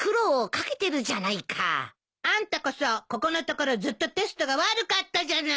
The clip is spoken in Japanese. あんたこそここのところずっとテストが悪かったじゃない。